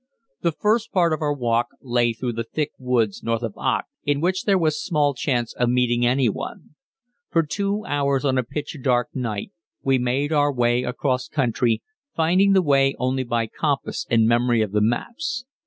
_ The first part of our walk lay through the thick woods north of Aach, in which there was small chance of meeting anyone. For two hours on a pitch dark night we made our way across country, finding the way only by compass and memory of the maps.